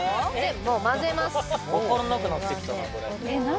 もう、分からなくなってきたな、何？